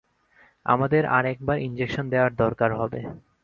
আমাদের আর একবার ইনজেকশন দেওয়ার দরকার হবে।